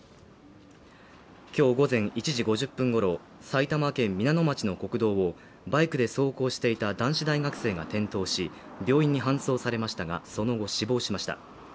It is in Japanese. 今日午前１時５０分ごろ、埼玉県皆野町の国道をバイクで走行していた男子大学生が転倒し、病院に搬送されましたがその後、死亡しました。